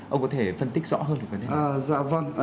ông có thể phân tích rõ hơn về cái này không